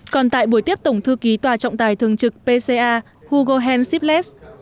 còn tại buổi tiếp tổng thư ký tòa trọng tài thường trực pca hugo henship less